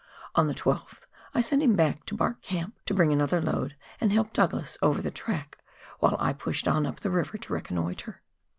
On the 12th I sent him back to Bark Camp to bring another load and help Douglas over the track, while I pushed on up the river to reconnoitre.